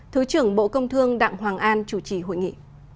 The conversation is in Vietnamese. thứ trưởng bộ công thương đặng hoàng an chủ trì hội nghị